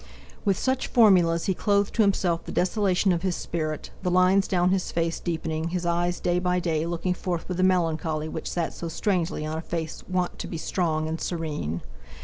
With such formulas he clothed to himself the desolation of his spirit; the lines down his face deepening, his eyes day by day looking forth with the melancholy which sat so strangely on a face wont to be strong and serene.